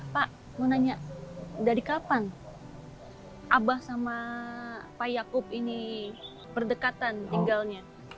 pak mau nanya dari kapan abah sama pak yaakub ini berdekatan tinggalnya